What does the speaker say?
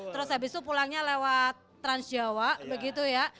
terus habis itu pulangnya lewat transjawa